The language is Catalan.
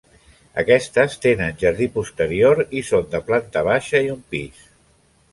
Aquestes tenen jardí posterior i són de planta baixa i un pis.